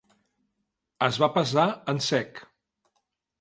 Es va pesar en sec.